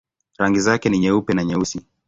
Rangi zake ni nyeupe na nyeusi.